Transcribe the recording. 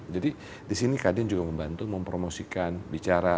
jadi di sini kadin juga membantu mempromosikan bicara